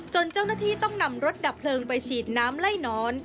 เจ้าหน้าที่ต้องนำรถดับเพลิงไปฉีดน้ำไล่นอน